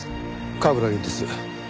冠城です。